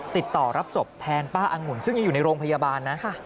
ติดต่อรับศพแทนป้าอังุ่นซึ่งยังอยู่ในโรงพยาบาลนะ